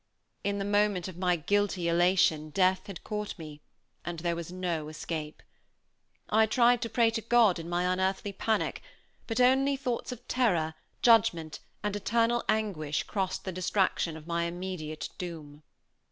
In the moment of my guilty elation death had caught me, and there was no escape. I tried to pray to God in my unearthly panic, but only thoughts of terror, judgment, and eternal anguish crossed the distraction of my immediate doom.